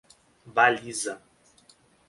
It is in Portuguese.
Baliza